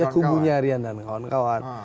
kubunya rian dan kawan kawan